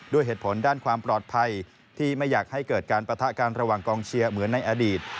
ด้วยเหตุผลด้านความปลอดภัยที่ไม่อยากให้เกิดการปะทะกันระหว่างกองเชียร์เหมือนในอดีต